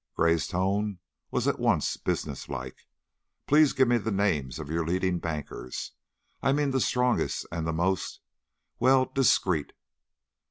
Gray's tone was at once businesslike. "Please give me the names of your leading bankers. I mean the strongest and the most well, discreet."